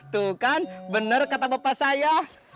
tuh kan benar kata bapak saya